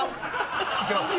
いけます